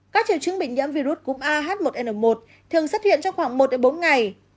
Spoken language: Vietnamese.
các triều chứng bị nhiễm virus cúm ah một n một thường xuất hiện trong khoảng một bốn ngày